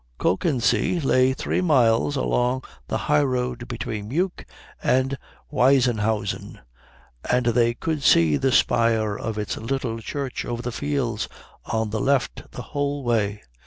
Kökensee lay three miles along the highroad between Meuk and Wiesenhausen, and they could see the spire of its little church over the fields on the left the whole way.